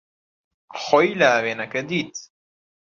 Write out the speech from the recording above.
خۆی لە ئاوێنەکە دیت.